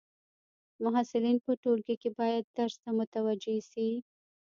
محصلین په ټولګی کي باید درس ته متوجي سي.